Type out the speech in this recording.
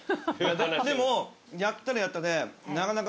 でもやったらやったでなかなか。